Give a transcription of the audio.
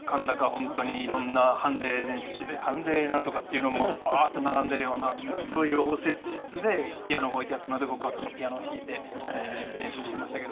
本当に色んな判例なんとかっていうのもバーッて並んでいるようなそういう応接室でピアノが置いてあったので僕はそのピアノを弾いて練習してましたけど。